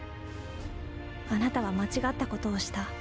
あなたは間違ったことをした。